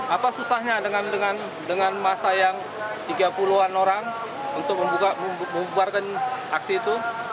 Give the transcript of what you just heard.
apa susahnya dengan masa yang tiga puluh an orang untuk membuarkan aksi itu